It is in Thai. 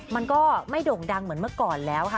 มันก็ไม่โด่งดังเหมือนเมื่อก่อนแล้วค่ะ